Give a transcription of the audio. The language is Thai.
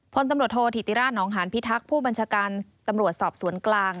พลตำรวจโทษธิติราชนองหานพิทักษ์ผู้บัญชาการตำรวจสอบสวนกลาง